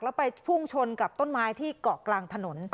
แล้วไปพุ่งชนกับต้นไม้ที่เกาะกลางถนน